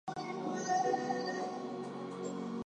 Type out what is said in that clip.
He worked from Pola and Vienna.